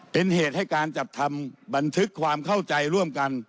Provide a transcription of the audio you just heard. เป็นเหตุให้การจัดทำบันทึกความเข้าใจร่วมกัน